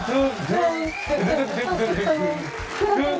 ลดแล้วลวกลงมาแล้ว